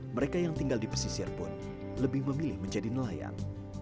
mereka yang tinggal di pesisir pun lebih memilih menjadi nelayan